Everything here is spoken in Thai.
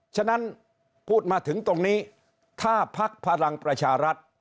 ฉะนั้นพูดมาถึงตรงนี้ถ้าพักพลังประชารัฐ